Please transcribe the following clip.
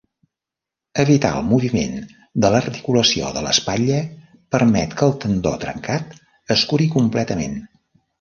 Evitar el moviment de l'articulació de l'espatlla permet que el tendó trencat es curi completament.